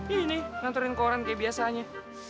ini nganturin koran kayak biasanya